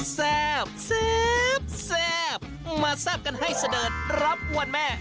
แซ่บแซ่บแซ่บมาแซ่บกันให้เสด็จรับวันแม่